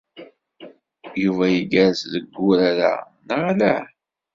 Yuba igerrez deg urar-a, neɣ ala?